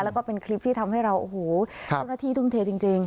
แล้วก็เป็นคลิปที่ทำให้เราโอ้โหเจ้าหน้าที่ทุ่มเทจริง